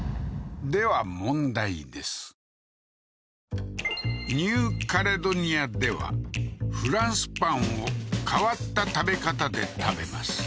ではニューカレドニアではフランスパンを変わった食べ方で食べます